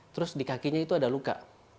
terus di kakinya itu ada luka